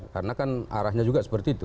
karena kan arahnya juga seperti itu